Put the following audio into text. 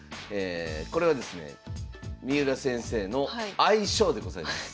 これはですね三浦先生の愛称でございます。